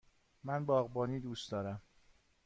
من باغبانی دوست دارم.